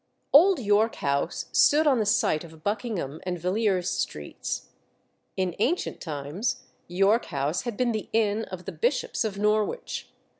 Old York House stood on the site of Buckingham and Villiers Streets. In ancient times, York House had been the inn of the Bishops of Norwich.